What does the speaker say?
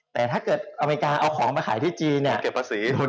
แต่ถ้าเกิดอเมริกาเอาของมาขายที่จีนเนี่ย